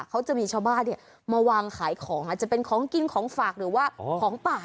เขาจะมีชาวบ้านมาวางขายของอาจจะเป็นของกินของฝากหรือว่าของป่า